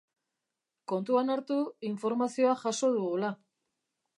Kontuan hartu informazioa jaso dugula.